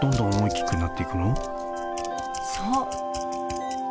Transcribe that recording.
そう。